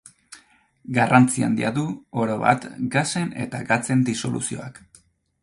Garrantzi handia du, orobat, gasen eta gatzen disoluzioak.